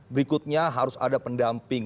berikutnya harus ada pendamping